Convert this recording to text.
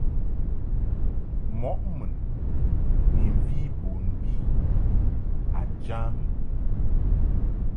Mɔ mun ni mvi bon bi a jam.